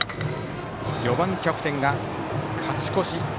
４番、キャプテンが勝ち越し。